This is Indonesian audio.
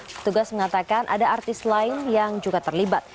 petugas mengatakan ada artis lain yang juga terlibat